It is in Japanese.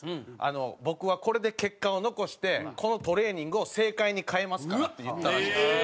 僕はこれで結果を残してこのトレーニングを正解に変えますから」って言ったらしいです。